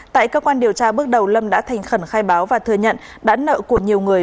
tại cơ quan điều tra bước đầu lâm đã thành khẩn khai báo và thừa nhận đã nợ của nhiều người